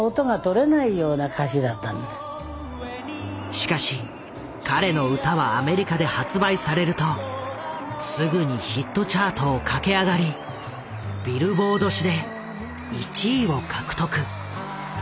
しかし彼の歌はアメリカで発売されるとすぐにヒットチャートを駆け上がり「Ｂｉｌｌｂｏａｒｄ」誌で１位を獲得。